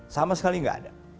sama sekali gak ada